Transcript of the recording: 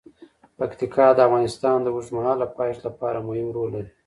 پکتیکا د افغانستان د اوږدمهاله پایښت لپاره مهم رول لري.